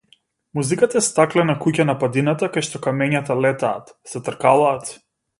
Музиката е стаклена куќа на падината кај што камењата летаат, се тркалаат.